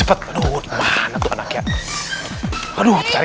harus bergegas untuk mencari